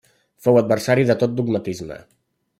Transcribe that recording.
Fou adversari de tot dogmatisme.